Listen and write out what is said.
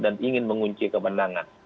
dan ingin mengunci kebenangan